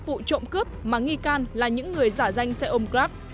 những người trộm cướp mà nghi can là những người giả danh xe ôm grab